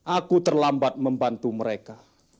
aku terlambat membantu mereka